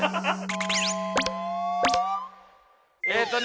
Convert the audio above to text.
えっとね